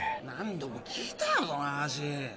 何度も聞いたよその話。